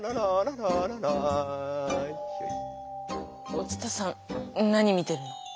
お伝さん何見てるの？